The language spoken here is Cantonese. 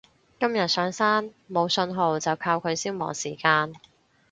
今日上山冇訊號就靠佢消磨時間